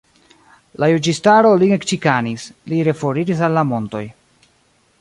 La juĝistaro lin ekĉikanis; li reforiris al la montoj.